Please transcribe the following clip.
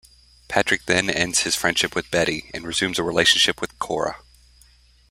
Patrick then ends his friendship with Betty and resumes a relationship with Cora.